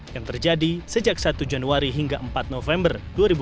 yang terjadi sejak satu januari hingga empat november dua ribu dua puluh